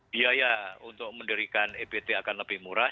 biaya untuk mendirikan ebt akan lebih murah